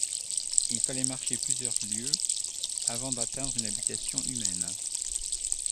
Il fallait marcher plusieurs lieues avant d’atteindre une habitation humaine.